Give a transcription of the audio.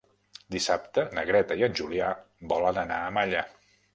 Dissabte na Greta i en Julià volen anar a Malla.